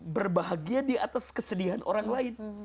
berbahagia diatas kesedihan orang lain